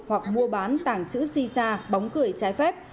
hoặc mua bán tảng chữ si sa bóng cười trái phép